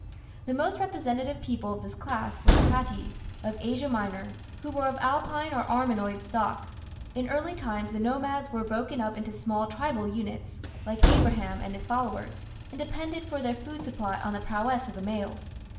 The most representative people of this class were the "Hatti" of Asia Minor, who were of Alpine or Armenoid stock. In early times the nomads were broken up into small tribal units, like Abraham and his followers, and depended for their food supply on the prowess of the males.